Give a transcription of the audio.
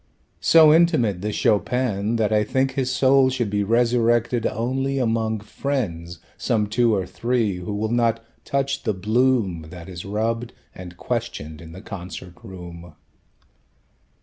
"So intimate, this Chopin, that I think his soul Should be resurrected only among friends Some two or three, who will not touch the bloom That is rubbed and questioned in the concert room."